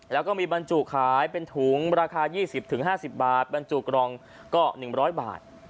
แล้วก็มีบรรจุขายเป็นถุงราคายี่สิบถึงห้าสิบบาทบรรจุกรองก็หนึ่งร้อยบาท